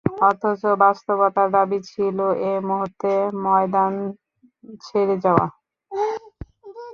অথচ বাস্তবতার দাবি ছিল এ মুহূর্তে ময়দান ছেড়ে যাওয়া।